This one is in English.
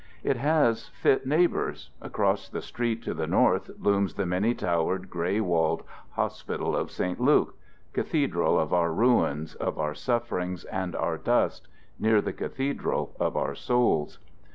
It has fit neighbors. Across the street to the north looms the many towered gray walled Hospital of St. Luke cathedral of our ruins, of our sufferings and our dust, near the cathedral of our souls.